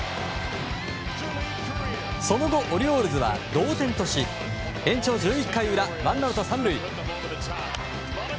その後、オリオールズは同点とし延長１１回裏ワンアウト３塁。